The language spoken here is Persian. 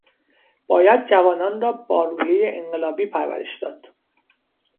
باید جوانان را با روحیهٔ انقلابی پرورش داد.